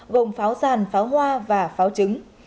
gồm pháo ràn pháo hoa và pháo trứng